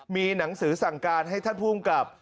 มีหนังสือสั่งการให้ท่านภูมิกับ